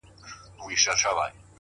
راځه د اوښکو تويول در زده کړم!